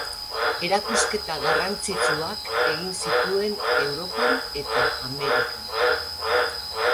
Erakusketa garrantzitsuak egin zituen Europan eta Amerikan.